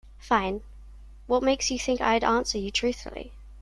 Fine, what makes you think I'd answer you truthfully?